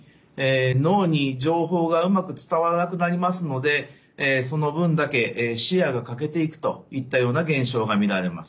脳に情報がうまく伝わらなくなりますのでその分だけ視野が欠けていくといったような現象が見られます。